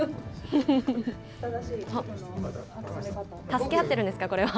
助け合ってるんですか、これは。